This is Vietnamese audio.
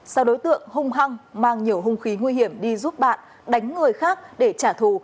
sau đối tượng hung hăng mang nhiều hung khí nguy hiểm đi giúp bạn đánh người khác để trả thù